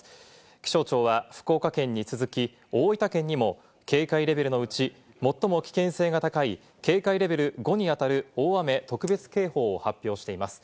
気象庁は福岡県に続き、大分県にも警戒レベルのうち、最も危険性が高い警戒レベル５にあたる大雨特別警報を発表しています。